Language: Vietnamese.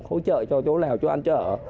hỗ trợ cho chỗ nào chỗ ăn chỗ ở